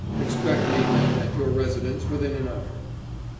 Expect me, then, at your residence within an hour."